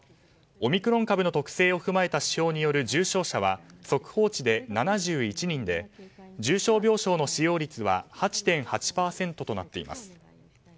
オミクロン株の特性を踏まえた指標による重症者は速報値で７１人で重症病床の使用率は８．８％となっています。